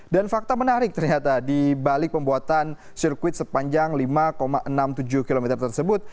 dan fakta menarik ternyata di balik pembuatan sirkuit sepanjang lima enam puluh tujuh km tersebut